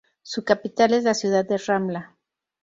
Su capital es la ciudad de Ramla.